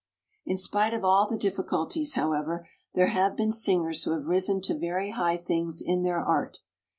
In spite of all the difficulties, however, there have been singers who have risen to very high things in their art.